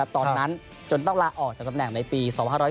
ตอนนั้นจนต้องลาออกจากตำแหน่งในปี๒๕๕๙